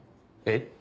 えっ？